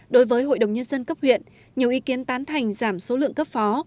đối với hội đồng nhân dân cấp huyện nhiều ý kiến tán thành giảm số lượng cấp phó